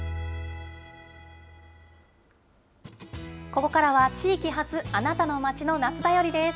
ここからは地域発、あなたの街の夏だよりです。